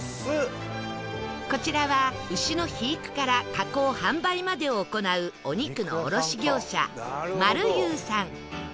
こちらは牛の肥育から加工販売までを行うお肉の卸業者丸優さん